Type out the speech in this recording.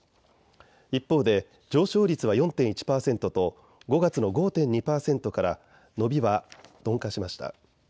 一方で上昇率は４．１％と５月の５．２％から伸びは鈍化しました。